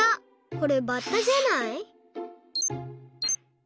これバッタじゃない？